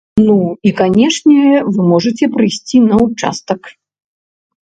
Ну і, канешне, вы можаце прыйсці на ўчастак.